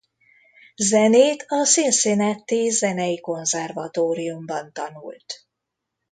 Zenét a cincinnati Zenei Konzervatóriumban tanult.